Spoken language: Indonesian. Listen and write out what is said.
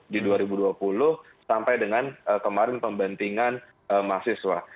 di dua ribu dua puluh sampai dengan kemarin pembantingan mahasiswa